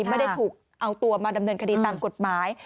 ไม่ได้ถูกเอาตัวมาดำเนินคดีตามกฎหมาย